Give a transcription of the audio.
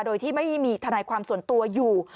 โดยที่ไม่มีทนายความส่วนตัวอยู่